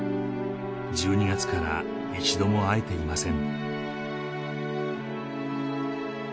１２月から一度も会えていません